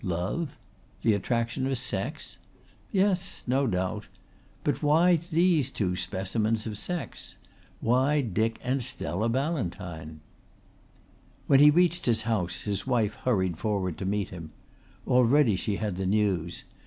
Love? The attraction of Sex? Yes, no doubt. But why these two specimens of Sex? Why Dick and Stella Ballantyne? When he reached his house his wife hurried forward to meet him. Already she had the news.